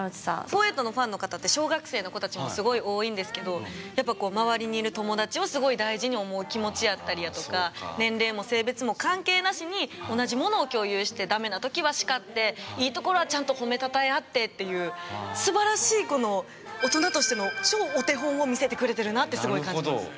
フォーエイト４８のファンの方って小学生の子たちもすごい多いんですけどやっぱ周りにいる友達をすごい大事に思う気持ちやったりやとか年齢も性別も関係なしに同じものを共有してダメな時は叱っていいところはちゃんと褒めたたえ合ってっていうすばらしいこの大人としての超お手本を見せてくれてるなってすごい感じます。